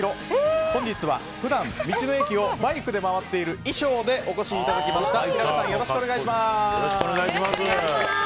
本日は普段、道の駅をバイクで回っている衣装でお越しいただきました。